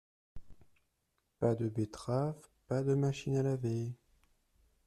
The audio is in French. Pas de betterave, pas de machine à laver.